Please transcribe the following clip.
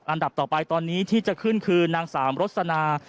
อันดับต่อไปตอนนี้ที่จะขึ้นคือนางสามรสนา